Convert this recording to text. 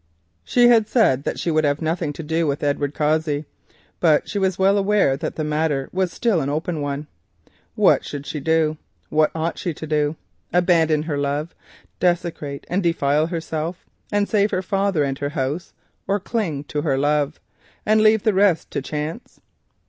She had said that she would have nothing to do with Edward Cossey, but she was well aware that the matter was still an open one. What should she do, what ought she to do? Abandon her love, desecrate herself and save her father and her house, or cling to her love and leave the rest to chance?